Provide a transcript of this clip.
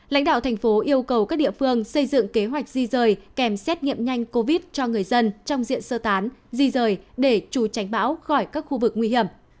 lãnh đạo thành phố yêu cầu các địa phương xây dựng kế hoạch di rời kèm xét nghiệm nhanh covid cho người dân trong diện sơ tán di rời để trù tránh bão khỏi các khu vực nguy hiểm